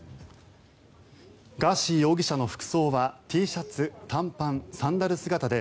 ガーシー容疑者の服装はＴシャツ、短パン、サンダル姿で